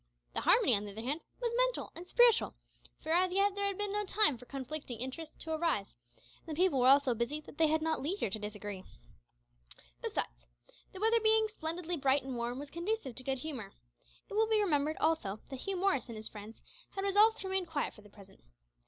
The harmony, on the other hand, was mental and spiritual, for as yet there had been no time for conflicting interests to arise, and the people were all so busy that they had not leisure to disagree. Besides, the weather being splendidly bright and warm was conducive to good humour. It will be remembered also that Hugh Morris and his friends had resolved to remain quiet for the present.